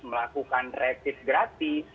melakukan rapid gratis